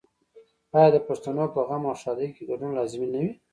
آیا د پښتنو په غم او ښادۍ کې ګډون لازمي نه وي؟